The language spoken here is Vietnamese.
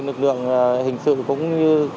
lực lượng hình sự cũng như